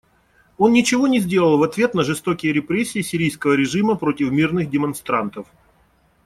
Он ничего не сделал в ответ на жестокие репрессии сирийского режима против мирных демонстрантов.